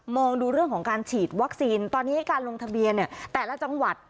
ดูเรื่องของการฉีดวัคซีนตอนนี้การลงทะเบียนเนี่ยแต่ละจังหวัด